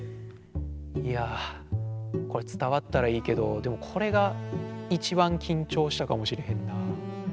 いやこれつたわったらいいけどでもこれがいちばんきんちょうしたかもしれへんな。